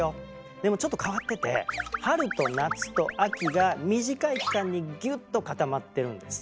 でもちょっと変わってて春と夏と秋が短い期間にギュッと固まってるんです。